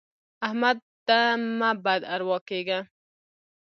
احمده مه بد اروا کېږه.